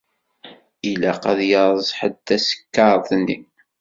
Ilaq ad yerẓ ḥedd tasekkaṛt-nni.